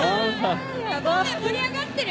盛り上がってる？